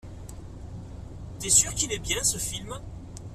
T'es sûr qu'il est bien ce film?